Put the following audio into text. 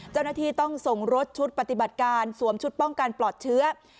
เจ้าหน้าที่ต้องส่งรถชุดปฏิบัติการสวมชุดป้องกันปลอดเชื้อ